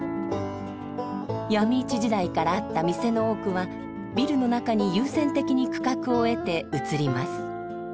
闇市時代からあった店の多くはビルの中に優先的に区画を得て移ります。